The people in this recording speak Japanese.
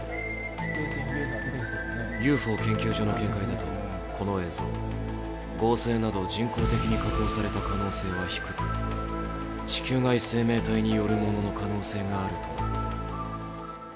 ＵＦＯ件キューバ今日所の見解だとこの映像合成など人工的に加工された可能性は低く地球外生命体によるものの可能性があるとのこと。